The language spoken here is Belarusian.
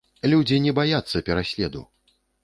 Людзі не баяцца пераследу!